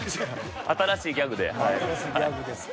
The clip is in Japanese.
新しいギャグですか。